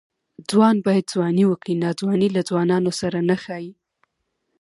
ځوان باید ځواني وکړي؛ ناځواني له ځوانانو سره نه ښايي.